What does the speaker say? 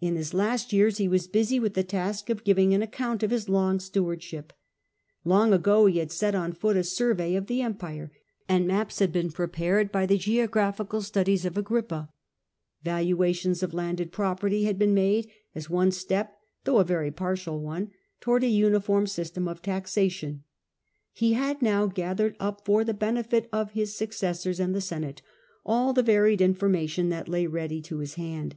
In his last years he was busy with the task of giving an account of his long stewardship. Long ago he had set on foot a survey of the Empire, and maps had iiis survey been prepared by the geographical studies of Agrippa. Valuations of landed property had world, been made, as one step, though a very partial one, towards a uniform system of taxation. He had now and sum gathered up for the benefit of his successors and the Senate all the varied information statistics, that lay ready to his hand.